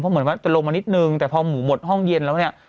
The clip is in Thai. เหมือนว่าจะลงมานิดนึงแต่พอหมูหมดห้องเย็นแล้วเนี่ย